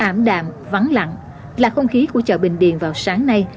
ảm đạm vắng lặng là không khí của chợ bình điền vào sáng nay